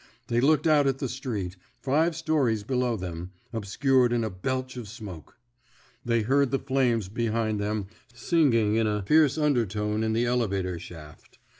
They looked out at the street, five stories below them, obscured in a belch of smoke. They heard the flames behind them singing in a fierce undertone in the elevator shaft.